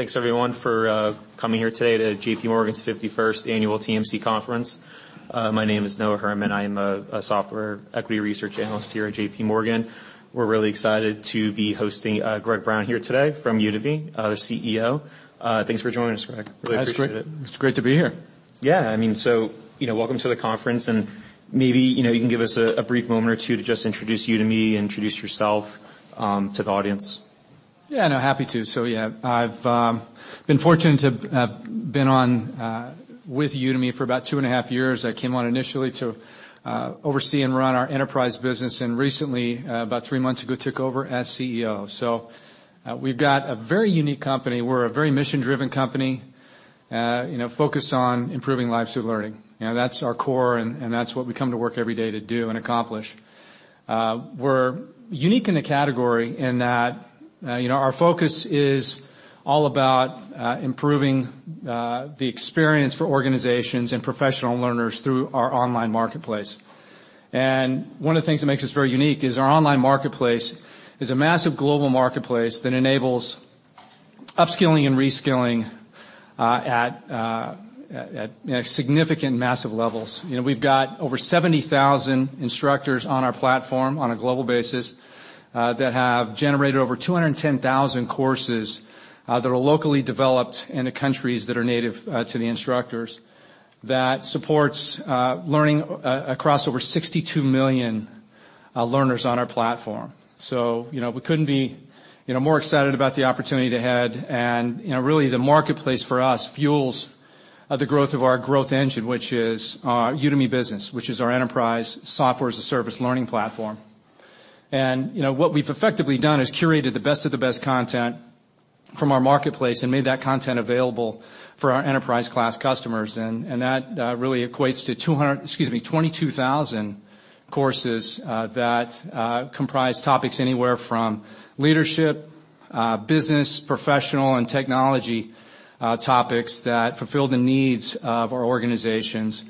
Thanks everyone for coming here today to J.P. Morgan's 51st annual TMC conference. My name is Noah Herman. I am a software equity research analyst here at J.P. Morgan. We're really excited to be hosting Greg Brown here today from Udemy, the CEO. Thanks for joining us, Greg. Really appreciate it. It's great to be here. I mean, you know, welcome to the conference, and maybe, you know, you can give us a brief moment or two to just introduce Udemy, introduce yourself to the audience. Yeah, no, happy to. Yeah, I've been fortunate to have been on with Udemy for about 2.5 years. I came on initially to oversee and run our enterprise business and recently, about 3 months ago, took over as CEO. We've got a very unique company. We're a very mission-driven company, you know, focused on improving lives through learning. You know, that's our core, and that's what we come to work every day to do and accomplish. We're unique in the category in that, you know, our focus is all about improving the experience for organizations and professional learners through our online marketplace. One of the things that makes us very unique is our online marketplace is a massive global marketplace that enables upskilling and reskilling at significant massive levels. You know, we've got over 70,000 instructors on our platform on a global basis that have generated over 210,000 courses that are locally developed in the countries that are native to the instructors, that supports learning across over 62 million learners on our platform. You know, we couldn't be, you know, more excited about the opportunity ahead and, you know, really the marketplace for us fuels the growth of our growth engine, which is our Udemy Business, which is our enterprise software as a service learning platform. You know, what we've effectively done is curated the best of the best content from our marketplace and made that content available for our enterprise-class customers. That really equates to 22,000 courses that comprise topics anywhere from leadership, business, professional and technology topics that fulfill the needs of our organizations,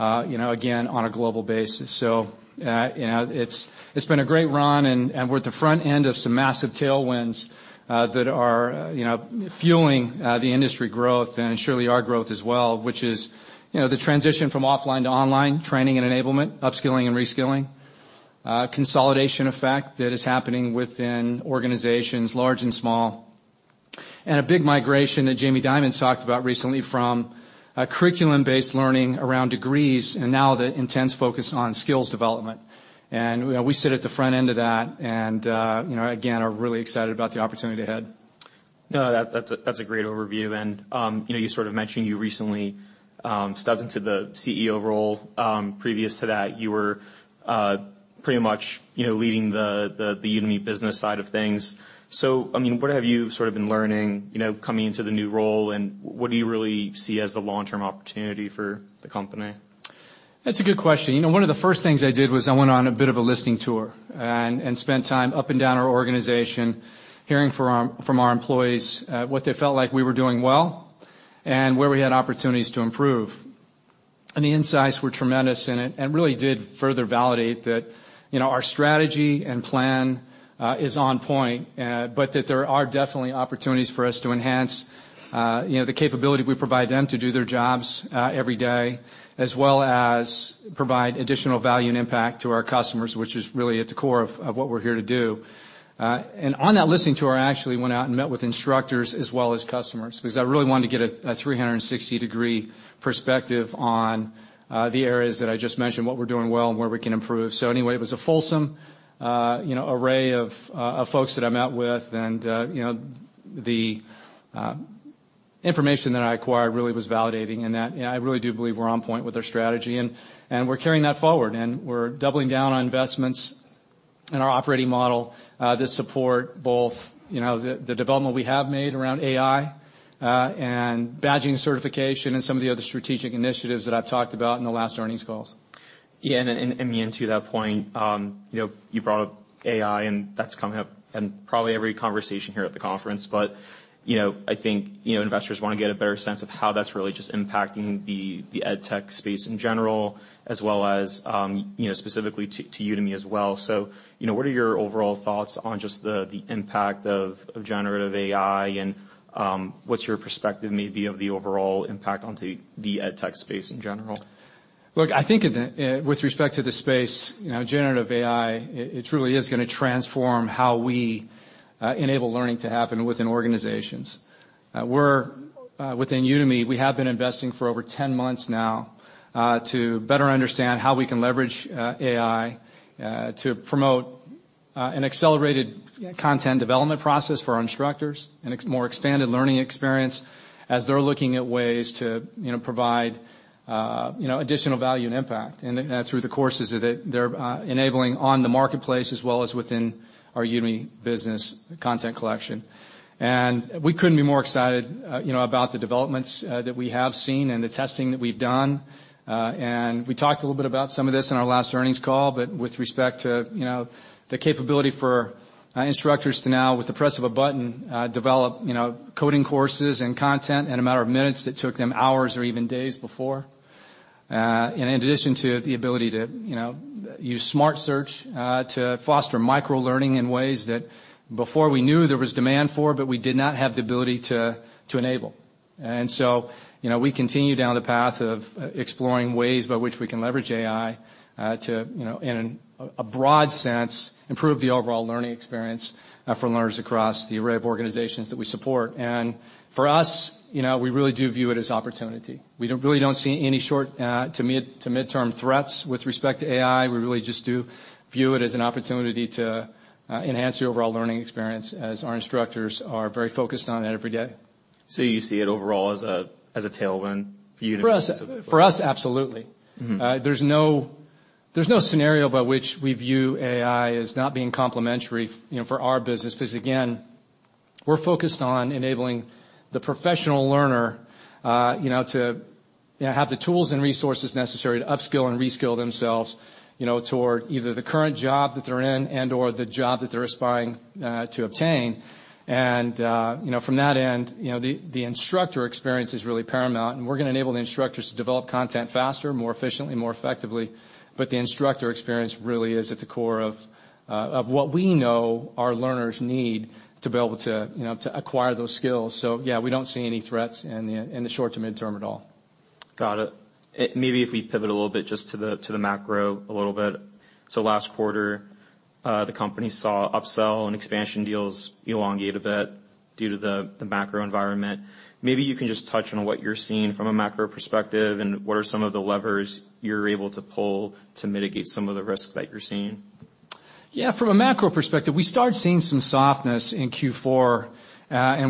you know, again, on a global basis. You know, it's been a great run and we're at the front end of some massive tailwinds that are, you know, fueling the industry growth and surely our growth as well, which is, you know, the transition from offline to online training and enablement, upskilling and reskilling, consolidation effect that is happening within organizations large and small. A big migration that Jamie Dimon talked about recently from a curriculum-based learning around degrees and now the intense focus on skills development. We sit at the front end of that and, you know, again, are really excited about the opportunity ahead. No, that's a great overview. You know, you sort of mentioned you recently stepped into the CEO role. Previous to that you were pretty much, you know, leading the Udemy Business side of things. I mean, what have you sort of been learning, you know, coming into the new role, and what do you really see as the long-term opportunity for the company? That's a good question. You know, one of the first things I did was I went on a bit of a listening tour and spent time up and down our organization hearing from our employees, what they felt like we were doing well and where we had opportunities to improve. The insights were tremendous and really did further validate that, you know, our strategy and plan, is on point, but that there are definitely opportunities for us to enhance, you know, the capability we provide them to do their jobs, every day, as well as provide additional value and impact to our customers, which is really at the core of what we're here to do. On that listening tour, I actually went out and met with instructors as well as customers, because I really wanted to get a 360 degree perspective on the areas that I just mentioned, what we're doing well and where we can improve. Anyway, it was a fulsome, you know, array of folks that I met with and, you know, the information that I acquired really was validating in that I really do believe we're on point with our strategy and we're carrying that forward and we're doubling down on investments in our operating model that support both, you know, the development we have made around AI and badging certification and some of the other strategic initiatives that I've talked about in the last earnings calls. Yeah, and, to that point, you know, you brought up AI and that's come up in probably every conversation here at the conference. You know, I think, you know, investors want to get a better sense of how that's really just impacting the ed tech space in general, as well as, you know, specifically to Udemy as well. You know, what are your overall thoughts on just the impact of generative AI and what's your perspective maybe of the overall impact onto the ed tech space in general? Look, I think with respect to the space, you know, generative AI, it truly is gonna transform how we enable learning to happen within organizations. Within Udemy, we have been investing for over 10 months now to better understand how we can leverage AI to promote an accelerated content development process for our instructors and more expanded learning experience as they're looking at ways to, you know, provide, you know, additional value and impact. Through the courses that they're enabling on the marketplace as well as within our Udemy Business content collection. We couldn't be more excited, you know, about the developments that we have seen and the testing that we've done. We talked a little bit about some of this in our last earnings call, but with respect to, you know, the capability for instructors to now, with the press of a button, develop, you know, coding courses and content in a matter of minutes, that took them hours or even days before. In addition to the ability to, you know, use smart search, to foster micro-learning in ways that before we knew there was demand for, but we did not have the ability to enable. We continue down the path of exploring ways by which we can leverage AI, to, you know, in a broad sense, improve the overall learning experience, for learners across the array of organizations that we support. For us, you know, we really do view it as opportunity. We really don't see any short- to mid-term threats with respect to AI. We really just do view it as an opportunity to enhance the overall learning experience as our instructors are very focused on that every day. You see it overall as a tailwind for you. For us, absolutely. Mm-hmm. There's no scenario by which we view AI as not being complementary, you know, for our business, because again, we're focused on enabling the professional learner, you know, to, you know, have the tools and resources necessary to upskill and reskill themselves, you know, toward either the current job that they're in and/or the job that they're aspiring to obtain. you know, from that end, you know, the instructor experience is really paramount, and we're gonna enable the instructors to develop content faster, more efficiently, more effectively. The instructor experience really is at the core of what we know our learners need to be able to, you know, to acquire those skills. yeah, we don't see any threats in the, in the short to mid-term at all. Got it. maybe if we pivot a little bit just to the macro a little bit. Last quarter, the company saw upsell and expansion deals elongate a bit due to the macro environment. Maybe you can just touch on what you're seeing from a macro perspective, and what are some of the levers you're able to pull to mitigate some of the risks that you're seeing? Yeah. From a macro perspective, we started seeing some softness in Q4.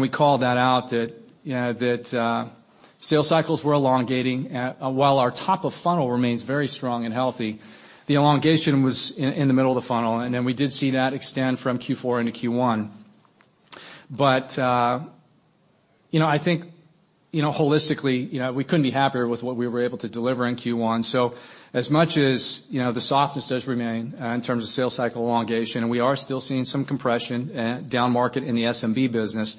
We called that out that, you know, that sales cycles were elongating. While our top of funnel remains very strong and healthy, the elongation was in the middle of the funnel, and then we did see that extend from Q4 into Q1. You know, I think, you know, holistically, you know, we couldn't be happier with what we were able to deliver in Q1. As much as, you know, the softness does remain in terms of sales cycle elongation, and we are still seeing some compression downmarket in the SMB business,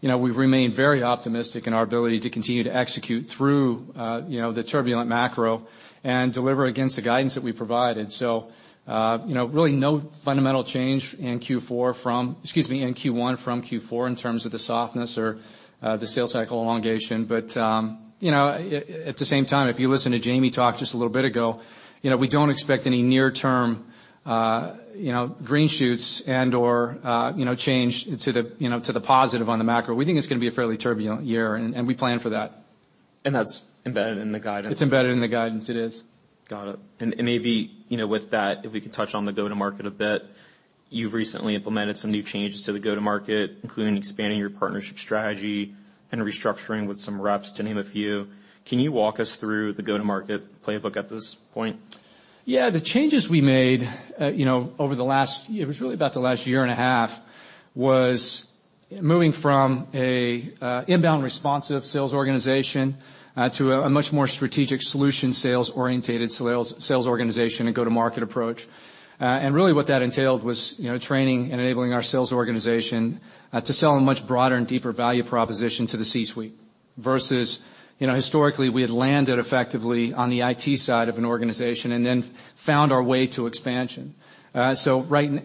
you know, we've remained very optimistic in our ability to continue to execute through, you know, the turbulent macro and deliver against the guidance that we provided. You know, really no fundamental change in Q1 from Q4 in terms of the softness or the sales cycle elongation. You know, at the same time, if you listen to Jamie talk just a little bit ago, you know, we don't expect any near-term, you know, green shoots and/or, you know, change to the, you know, to the positive on the macro. We think it's gonna be a fairly turbulent year, and we plan for that. That's embedded in the guidance? It's embedded in the guidance. It is. Got it. Maybe, you know, with that, if we could touch on the go-to-market a bit. You've recently implemented some new changes to the go-to-market, including expanding your partnership strategy and restructuring with some reps to name a few. Can you walk us through the go-to-market playbook at this point? Yeah. The changes we made, you know, over the last, it was really about the last year and a half, was moving from a inbound responsive sales organization to a much more strategic solution sales orientated sales organization and go-to-market approach. Really what that entailed was, you know, training and enabling our sales organization to sell a much broader and deeper value proposition to the C-suite versus, you know, historically we had landed effectively on the IT side of an organization and then found our way to expansion. Right...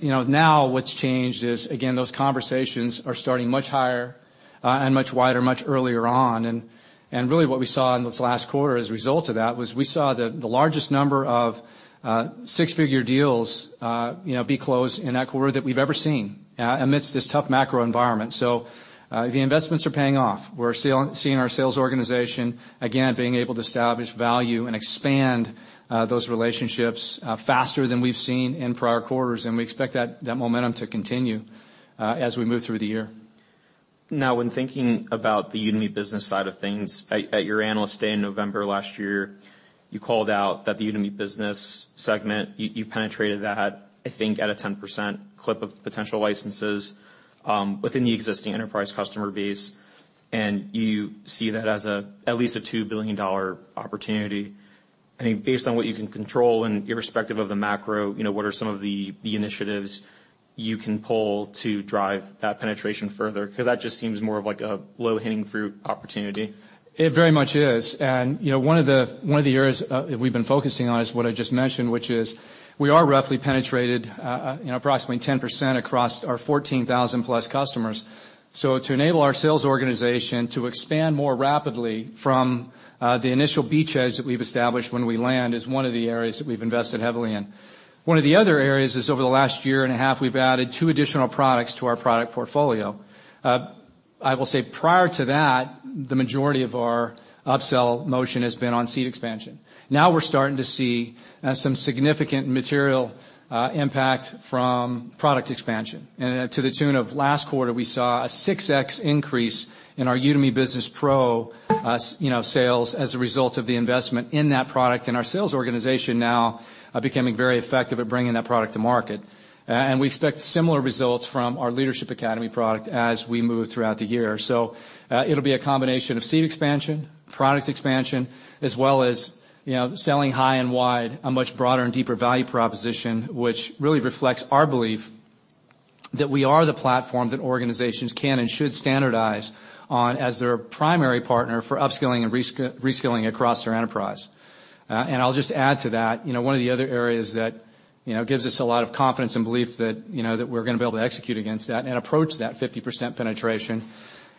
you know, now what's changed is, again, those conversations are starting much higher and much wider, much earlier on. Really what we saw in this last quarter as a result of that was we saw the largest number of 6-figure deals, you know, be closed in that quarter that we've ever seen amidst this tough macro environment. The investments are paying off. We're seeing our sales organization again being able to establish value and expand those relationships faster than we've seen in prior quarters, and we expect that momentum to continue as we move through the year. When thinking about the Udemy Business side of things, at your Analyst Day in November last year, you called out that the Udemy Business segment, you penetrated that, I think at a 10% clip of potential licenses within the existing enterprise customer base, and you see that as at least a $2 billion opportunity. I think based on what you can control and irrespective of the macro, you know, what are some of the initiatives you can pull to drive that penetration further? 'Cause that just seems more of like a low-hanging fruit opportunity. It very much is. You know, one of the areas that we've been focusing on is what I just mentioned, which is we are roughly penetrated, you know, approximately 10% across our 14,000 plus customers. To enable our sales organization to expand more rapidly from the initial beachheads that we've established when we land is one of the areas that we've invested heavily in. One of the other areas is over the last year and a half, we've added two additional products to our product portfolio. I will say prior to that, the majority of our upsell motion has been on seat expansion. Now we're starting to see, some significant material impact from product expansion. To the tune of last quarter, we saw a 6x increase in our Udemy Business Pro, you know, sales as a result of the investment in that product and our sales organization now, becoming very effective at bringing that product to market. We expect similar results from our Leadership Academy product as we move throughout the year. It'll be a combination of seat expansion, product expansion, as well as, you know, selling high and wide, a much broader and deeper value proposition, which really reflects our belief. That we are the platform that organizations can and should standardize on as their primary partner for upskilling and reskilling across their enterprise. I'll just add to that, you know, one of the other areas that, you know, gives us a lot of confidence and belief that, you know, that we're gonna be able to execute against that and approach that 50% penetration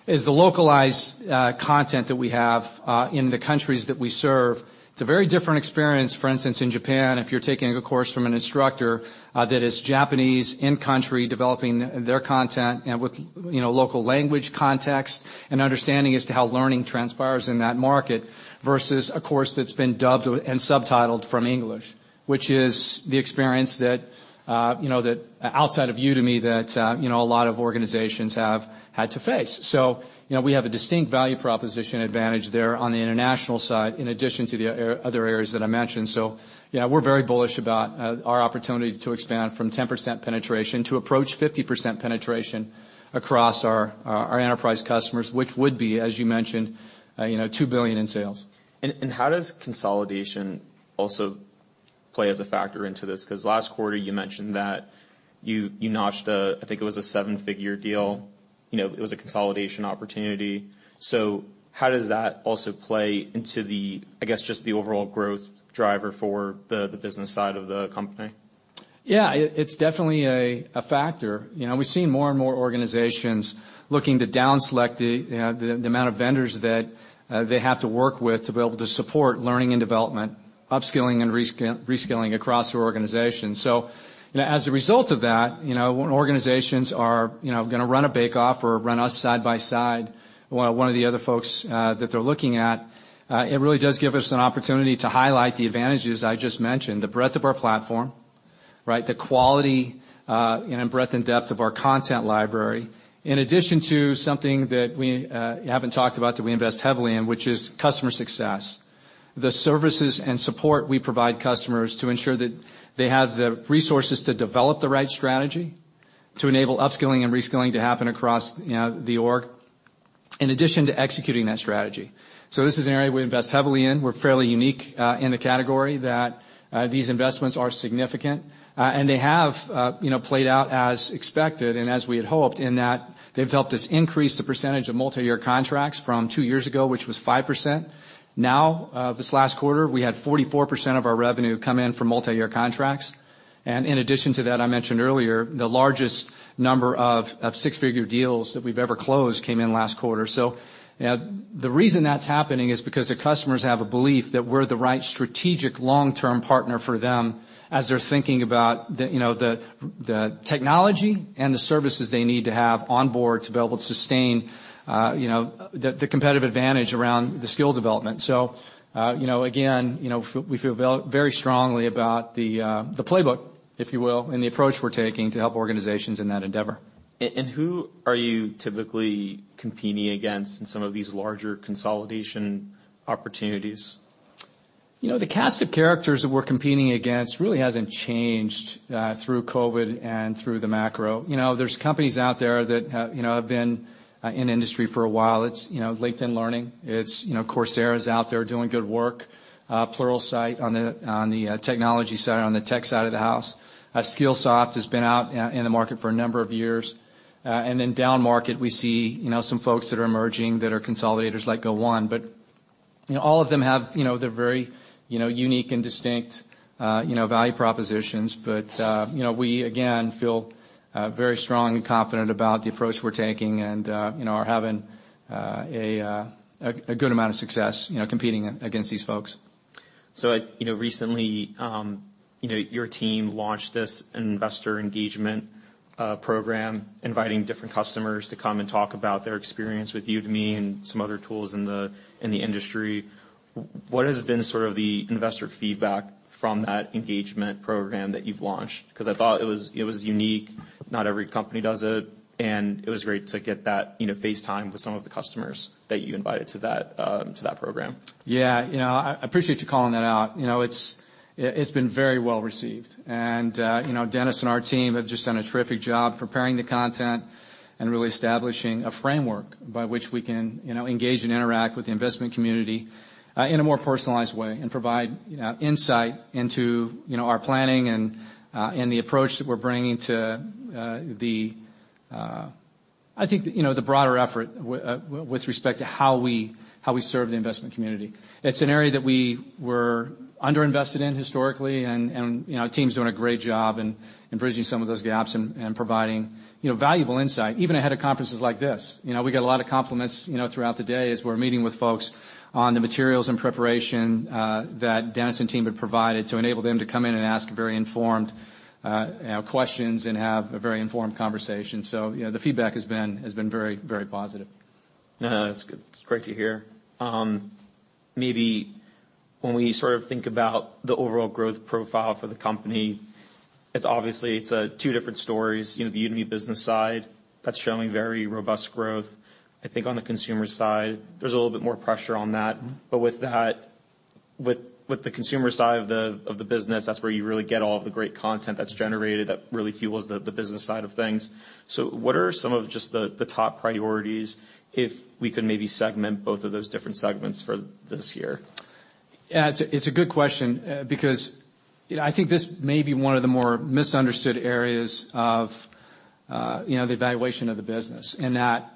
is the localized content that we have in the countries that we serve. It's a very different experience, for instance, in Japan, if you're taking a course from an instructor that is Japanese, in country, developing their content and with, you know, local language context and understanding as to how learning transpires in that market versus a course that's been dubbed and subtitled from English, which is the experience that, you know, that outside of Udemy that, you know, a lot of organizations have had to face. You know, we have a distinct value proposition advantage there on the international side, in addition to the other areas that I mentioned. Yeah, we're very bullish about our opportunity to expand from 10% penetration to approach 50% penetration across our enterprise customers, which would be, as you mentioned, you know, $2 billion in sales. How does consolidation also play as a factor into this? 'Cause last quarter you mentioned that you notched a, I think it was a seven-figure deal. You know, it was a consolidation opportunity. How does that also play into the, I guess, just the overall growth driver for the business side of the company? It's definitely a factor. You know, we're seeing more and more organizations looking to down select the amount of vendors that they have to work with to be able to support learning and development, upskilling and reskilling across their organization. You know, as a result of that, you know, when organizations are, you know, gonna run a bake off or run us side by side, one of the other folks that they're looking at, it really does give us an opportunity to highlight the advantages I just mentioned, the breadth of our platform, right? The quality and breadth and depth of our content library. In addition to something that we haven't talked about that we invest heavily in, which is customer success. The services and support we provide customers to ensure that they have the resources to develop the right strategy to enable upskilling and reskilling to happen across, you know, the org, in addition to executing that strategy. This is an area we invest heavily in. We're fairly unique in the category that these investments are significant. They have, you know, played out as expected and as we had hoped, in that they've helped us increase the percentage of multi-year contracts from two years ago, which was 5%. Now, this last quarter, we had 44% of our revenue come in from multi-year contracts. In addition to that, I mentioned earlier, the largest number of six-figure deals that we've ever closed came in last quarter. The reason that's happening is because the customers have a belief that we're the right strategic long-term partner for them as they're thinking about the, you know, the technology and the services they need to have on board to be able to sustain, you know, the competitive advantage around the skill development. Again, you know, we feel very strongly about the playbook, if you will, and the approach we're taking to help organizations in that endeavor. Who are you typically competing against in some of these larger consolidation opportunities? You know, the cast of characters that we're competing against really hasn't changed through COVID and through the macro. You know, there's companies out there that you know, have been in industry for a while. It's, you know, LinkedIn Learning. It's, you know, Coursera out there doing good work. Pluralsight on the technology side, on the tech side of the house. Skillsoft has been out in the market for a number of years. Down market, we see, you know, some folks that are emerging that are consolidators like Go1. You know, all of them have, you know. They're very, you know, unique and distinct value propositions. You know, we again, feel very strong and confident about the approach we're taking and, you know, are having a good amount of success, you know, competing against these folks. You know, recently, you know, your team launched this investor engagement program, inviting different customers to come and talk about their experience with Udemy and some other tools in the industry. What has been sort of the investor feedback from that engagement program that you've launched? 'Cause I thought it was, it was unique. Not every company does it, and it was great to get that, you know, face time with some of the customers that you invited to that program. You know, I appreciate you calling that out. You know, it's, it's been very well received. You know, Dennis and our team have just done a terrific job preparing the content and really establishing a framework by which we can, you know, engage and interact with the investment community, in a more personalized way and provide insight into, you know, our planning and the approach that we're bringing to the. I think, you know, the broader effort with respect to how we serve the investment community. It's an area that we were under-invested in historically, and, you know, our team's doing a great job in bridging some of those gaps and providing, you know, valuable insight, even ahead of conferences like this. You know, we get a lot of compliments, you know, throughout the day as we're meeting with folks on the materials and preparation, that Dennis and team have provided to enable them to come in and ask very informed, you know, questions and have a very informed conversation. You know, the feedback has been very, very positive. No, that's good. It's great to hear. Maybe when we sort of think about the overall growth profile for the company, it's obviously it's two different stories. You know, the Udemy Business side, that's showing very robust growth. I think on the consumer side, there's a little bit more pressure on that. With that, with the consumer side of the business, that's where you really get all of the great content that's generated that really fuels the business side of things. What are some of just the top priorities, if we could maybe segment both of those different segments for this year? Yeah, it's a good question, because, you know, I think this may be one of the more misunderstood areas of, you know, the evaluation of the business, in that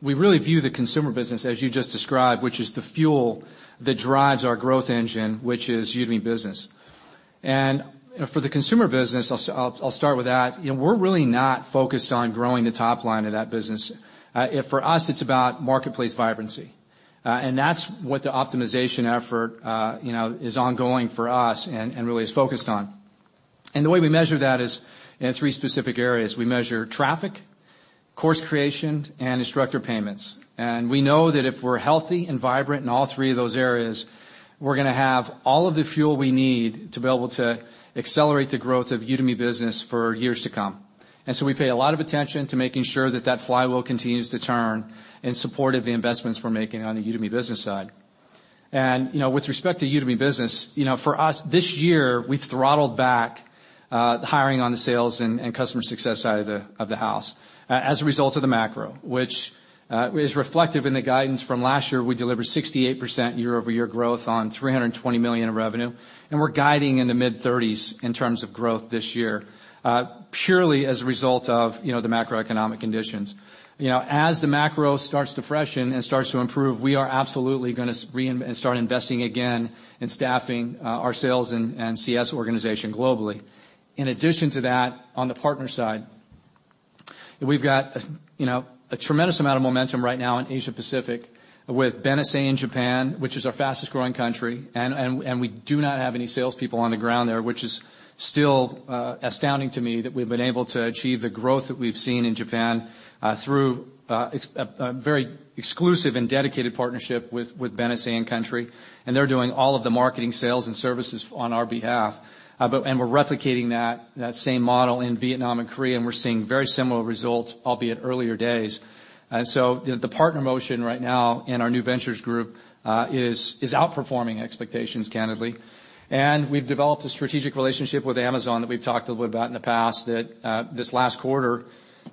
we really view the consumer business as you just described, which is the fuel that drives our growth engine, which is Udemy Business. You know, for the consumer business, I'll start with that. You know, we're really not focused on growing the top line of that business. Yeah, for us, it's about marketplace vibrancy. That's what the optimization effort, you know, is ongoing for us and really is focused on. The way we measure that is in three specific areas. We measure traffic, course creation, and instructor payments. We know that if we're healthy and vibrant in all three of those areas, we're gonna have all of the fuel we need to be able to accelerate the growth of Udemy Business for years to come. We pay a lot of attention to making sure that flywheel continues to turn in support of the investments we're making on the Udemy Business side. You know, with respect to Udemy Business, you know, for us this year, we throttled back the hiring on the sales and customer success side of the house as a result of the macro, which is reflective in the guidance from last year. We delivered 68% year-over-year growth on $320 million in revenue. We're guiding in the mid-30s in terms of growth this year, purely as a result of, you know, the macroeconomic conditions. You know, as the macro starts to freshen and starts to improve, we are absolutely gonna start investing again in staffing our sales and CS organization globally. In addition to that, on the partner side, we've got, you know, a tremendous amount of momentum right now in Asia Pacific with Benesse in Japan, which is our fastest growing country, and we do not have any salespeople on the ground there, which is still astounding to me that we've been able to achieve the growth that we've seen in Japan through a very exclusive and dedicated partnership with Benesse in country. They're doing all of the marketing, sales, and services on our behalf. We're replicating that same model in Vietnam and Korea, and we're seeing very similar results, albeit earlier days. The partner motion right now in our new ventures group is outperforming expectations candidly. We've developed a strategic relationship with Amazon that we've talked a little bit about in the past that, this last quarter,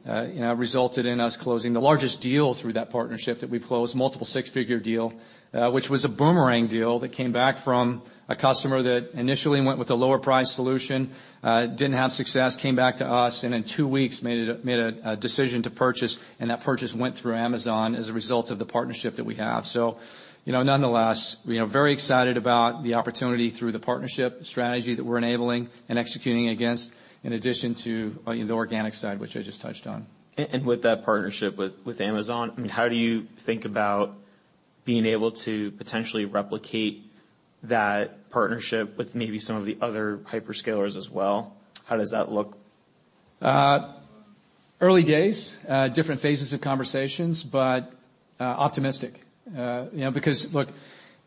you know, resulted in us closing the largest deal through that partnership that we've closed, multiple six-figure deal, which was a boomerang deal that came back from a customer that initially went with a lower price solution, didn't have success, came back to us, and in two weeks made a decision to purchase, and that purchase went through Amazon as a result of the partnership that we have. You know, nonetheless, we are very excited about the opportunity through the partnership strategy that we're enabling and executing against in addition to, you know, the organic side, which I just touched on. With that partnership with Amazon, I mean, how do you think about being able to potentially replicate that partnership with maybe some of the other hyperscalers as well? How does that look? Early days, different phases of conversations, but optimistic. You know, because look,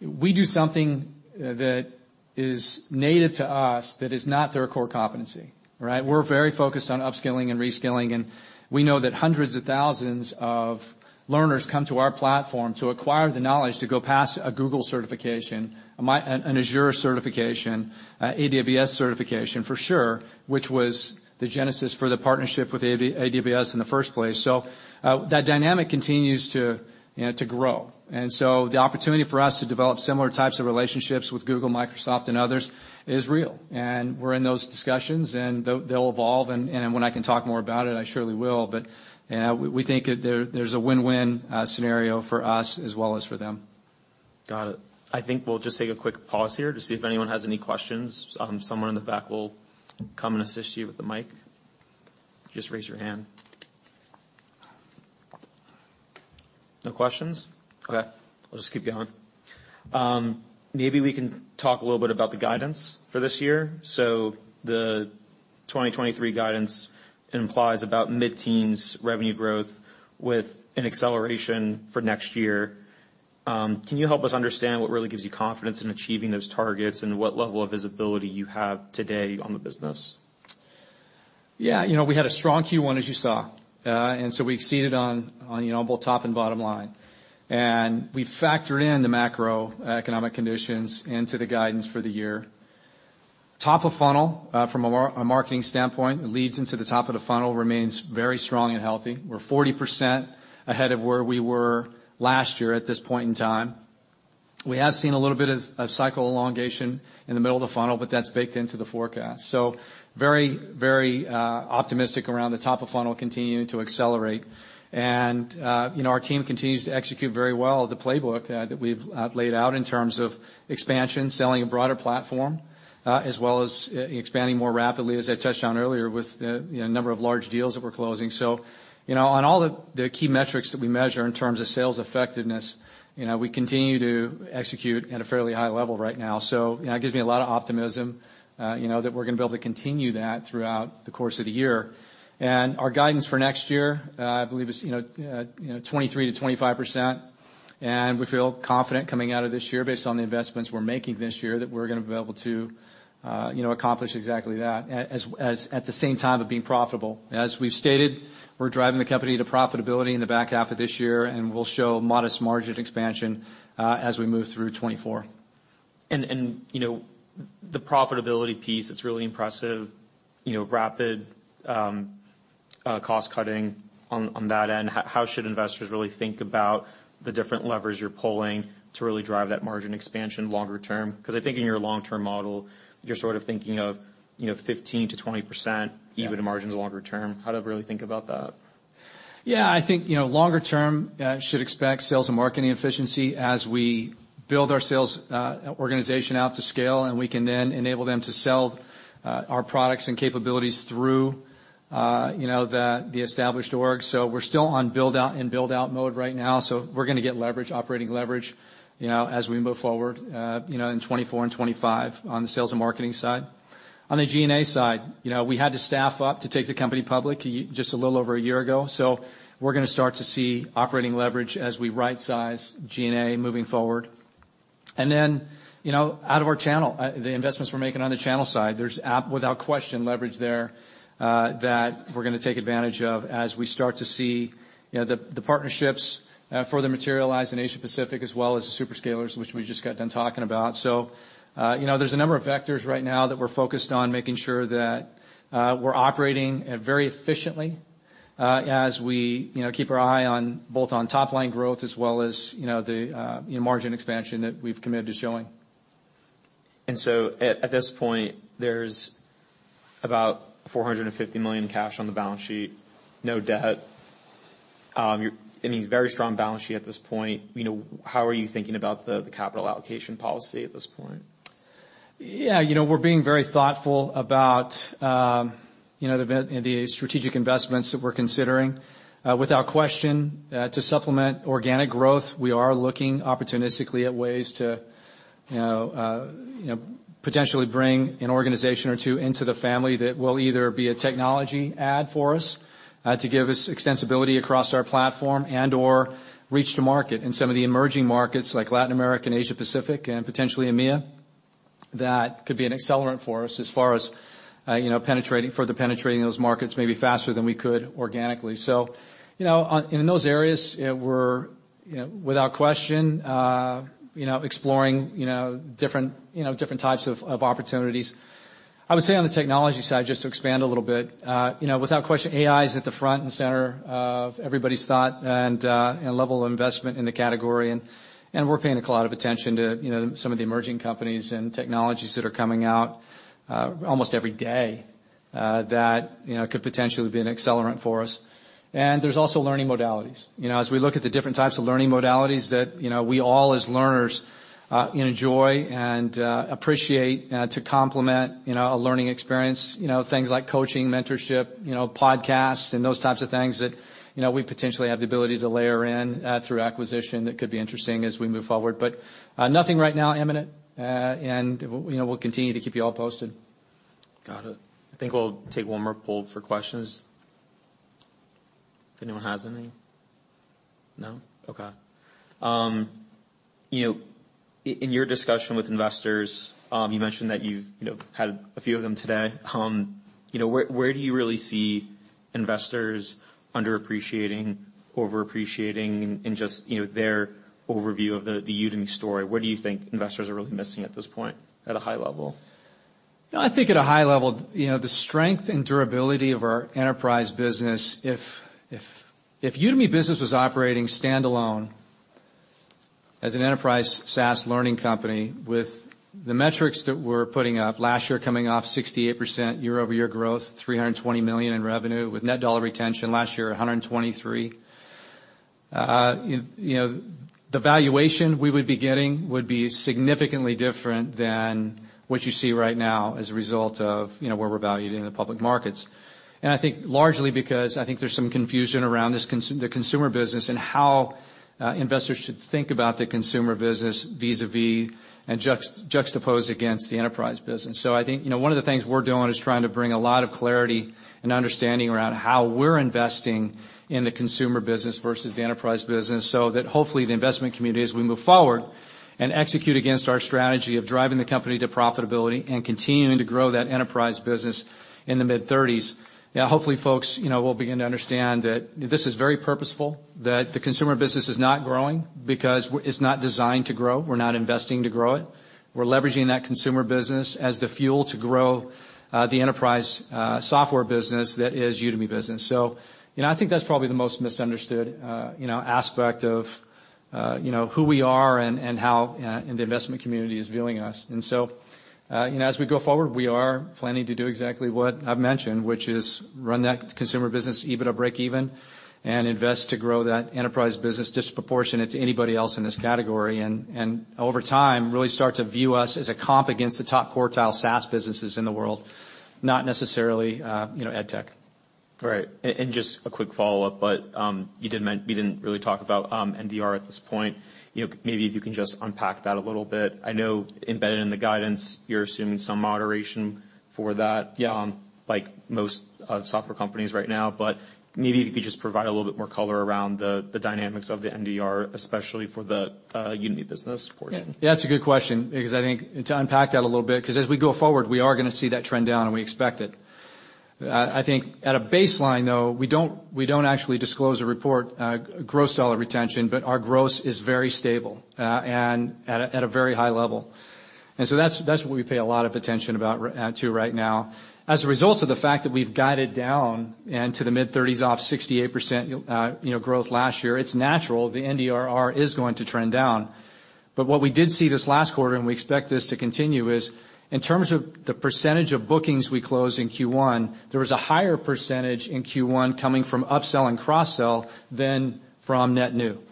we do something that is native to us that is not their core competency, right? We're very focused on upskilling and reskilling, and we know that hundreds of thousands of learners come to our platform to acquire the knowledge to go pass a Google certification, an Azure certification, an AWS certification for sure, which was the genesis for the partnership with AWS in the first place. That dynamic continues to, you know, to grow. The opportunity for us to develop similar types of relationships with Google, Microsoft, and others is real. We're in those discussions and they'll evolve, and when I can talk more about it, I surely will. We think that there's a win-win scenario for us as well as for them. Got it. I think we'll just take a quick pause here to see if anyone has any questions. Someone in the back will come and assist you with the mic. Just raise your hand. No questions? Okay. I'll just keep going. Maybe we can talk a little bit about the guidance for this year. The 2023 guidance implies about mid-teens revenue growth with an acceleration for next year. Can you help us understand what really gives you confidence in achieving those targets and what level of visibility you have today on the business? Yeah. You know, we had a strong Q1, as you saw. we exceeded on, you know, both top and bottom line. we factored in the macroeconomic conditions into the guidance for the year. Top of funnel, from a marketing standpoint, leads into the top of the funnel remains very strong and healthy. We're 40% ahead of where we were last year at this point in time. We have seen a little bit of cycle elongation in the middle of the funnel, but that's baked into the forecast. very optimistic around the top of funnel continuing to accelerate. You know, our team continues to execute very well the playbook that we've laid out in terms of expansion, selling a broader platform, as well as expanding more rapidly, as I touched on earlier with the, you know, number of large deals that we're closing. You know, on all the key metrics that we measure in terms of sales effectiveness, you know, we continue to execute at a fairly high level right now. You know, it gives me a lot of optimism, you know, that we're gonna be able to continue that throughout the course of the year. Our guidance for next year, I believe is, you know, you know, 23%-25%. We feel confident coming out of this year based on the investments we're making this year, that we're gonna be able to, you know, accomplish exactly that at the same time of being profitable. As we've stated, we're driving the company to profitability in the back half of this year, and we'll show modest margin expansion, as we move through 2024. You know, the profitability piece, it's really impressive. You know, rapid cost-cutting on that end, how should investors really think about the different levers you're pulling to really drive that margin expansion longer term? Because I think in your long-term model, you're sort of thinking of, you know, 15%-20%. Yeah. EBITDA margins longer term. How to really think about that? Yeah. I think, you know, longer term, should expect sales and marketing efficiency as we build our sales, organization out to scale, and we can then enable them to sell, our products and capabilities through, you know, the established org. We're still in build-out mode right now, so we're gonna get leverage, operating leverage, you know, as we move forward, you know, in 2024 and 2025 on the sales and marketing side. On the G&A side, you know, we had to staff up to take the company public just a little over a year ago, so we're gonna start to see operating leverage as we right-size G&A moving forward. You know, out of our channel, the investments we're making on the channel side, there's without question leverage there that we're gonna take advantage of as we start to see, you know, the partnerships further materialize in Asia-Pacific as well as the hyperscalers, which we just got done talking about. You know, there's a number of vectors right now that we're focused on making sure that we're operating very efficiently as we, you know, keep our eye both on top-line growth as well as, you know, the, you know, margin expansion that we've committed to showing. At this point, there's about $450 million cash on the balance sheet, no debt. And a very strong balance sheet at this point. You know, how are you thinking about the capital allocation policy at this point? Yeah. You know, we're being very thoughtful about, you know, the strategic investments that we're considering. Without question, to supplement organic growth, we are looking opportunistically at ways to, you know, potentially bring an organization or two into the family that will either be a technology add for us, to give us extensibility across our platform and/or reach to market in some of the emerging markets like Latin America and Asia-Pacific and potentially EMEIA. That could be an accelerant for us as far as, you know, penetrating, further penetrating those markets maybe faster than we could organically. You know, in those areas, we're, you know, without question, you know, exploring, you know, different types of opportunities. I would say on the technology side, just to expand a little bit, without question, AI is at the front and center of everybody's thought and level of investment in the category and we're paying a lot of attention to some of the emerging companies and technologies that are coming out almost every day that could potentially be an accelerant for us. There's also learning modalities. As we look at the different types of learning modalities that we all as learners enjoy and appreciate to complement a learning experience, things like coaching, mentorship, podcasts and those types of things that we potentially have the ability to layer in through acquisition that could be interesting as we move forward. nothing right now imminent. you know, we'll continue to keep you all posted. Got it. I think we'll take one more poll for questions if anyone has any. No? Okay. you know, in your discussion with investors, you mentioned that you've, you know, had a few of them today. you know, where do you really see investors underappreciating, overappreciating in just, you know, their overview of the Udemy story? What do you think investors are really missing at this point at a high level? You know, I think at a high level, you know, the strength and durability of our enterprise business, if Udemy Business was operating standalone as an enterprise SaaS learning company with the metrics that we're putting up, last year coming off 68% year-over-year growth, $320 million in revenue, with Net Dollar Retention last year, 123. You know, the valuation we would be getting would be significantly different than what you see right now as a result of, you know, where we're valued in the public markets. I think largely because I think there's some confusion around this the consumer business and how investors should think about the consumer business vis-à-vis and juxtapose against the enterprise business. I think, you know, one of the things we're doing is trying to bring a lot of clarity and understanding around how we're investing in the consumer business versus the enterprise business, so that hopefully the investment community, as we move forward and execute against our strategy of driving the company to profitability and continuing to grow that enterprise business in the mid-30s. Hopefully, folks, you know, will begin to understand that this is very purposeful, that the consumer business is not growing because it's not designed to grow. We're not investing to grow it. We're leveraging that consumer business as the fuel to grow the enterprise software business that is Udemy Business. You know, I think that's probably the most misunderstood, you know, aspect of, you know, who we are and how the investment community is viewing us. You know, as we go forward, we are planning to do exactly what I've mentioned, which is run that consumer business EBITDA breakeven and invest to grow that enterprise business disproportionate to anybody else in this category. Over time, really start to view us as a comp against the top quartile SaaS businesses in the world, not necessarily, you know, edtech. Right. Just a quick follow-up, but you didn't really talk about NDR at this point. You know, maybe if you can just unpack that a little bit. I know embedded in the guidance, you're assuming some moderation for that. Yeah. Like most software companies right now, maybe if you could just provide a little bit more color around the dynamics of the NDR, especially for the Udemy Business portion. Yeah, that's a good question because I think to unpack that a little bit, 'cause as we go forward, we are gonna see that trend down, and we expect it. I think at a baseline, though, we don't actually disclose or report Gross Dollar Retention, but our gross is very stable and at a very high level. That's what we pay a lot of attention to right now. As a result of the fact that we've guided down and to the mid-30s off 68%, you know, growth last year, it's natural the NDR is going to trend down. What we did see this last quarter, and we expect this to continue, is in terms of the percentage of bookings we closed in Q1, there was a higher percentage in Q1 coming from upsell and cross-sell than from net new,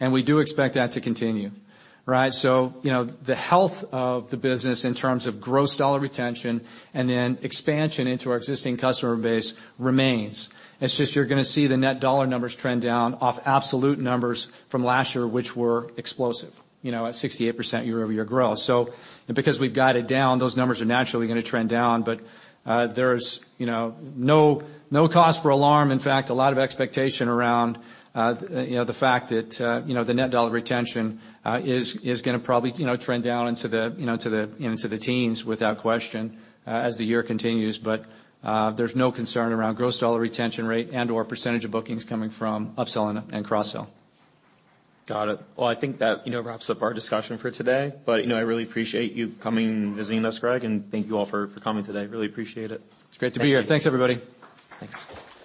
and we do expect that to continue, right? You know, the health of the business in terms of Gross Dollar Retention and then expansion into our existing customer base remains. It's just you're gonna see the Net Dollar numbers trend down off absolute numbers from last year, which were explosive, you know, at 68% year-over-year growth. Because we've guided down, those numbers are naturally gonna trend down. There's, you know, no cause for alarm. In fact, a lot of expectation around, you know, the fact that, you know, the Net Dollar Retention, is gonna probably, you know, trend down into the, you know, to the, you know, into the teens without question, as the year continues. There's no concern around Gross Dollar Retention rate and/or percentage of bookings coming from upsell and cross-sell. Got it. Well, I think that, you know, wraps up our discussion for today. I really appreciate you coming and visiting us, Greg. Thank you all for coming today. Really appreciate it. It's great to be here. Thank you. Thanks, everybody. Thanks.